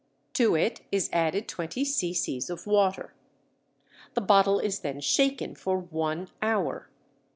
To it is added 20 c.c. of water. The bottle is then shaken for one hour.